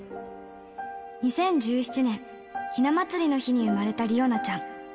２０１７年、ひな祭りの日に生まれた理央奈ちゃん。